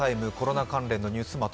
コロナ関連のニュース